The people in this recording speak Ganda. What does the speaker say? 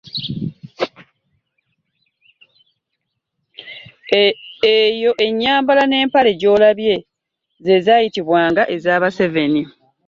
Eyo enyambala n'empale gy'olabye nze zayitibwanga ez'abaseveni.